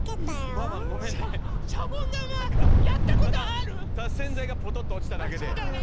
ただ洗剤がポトッと落ちただけで。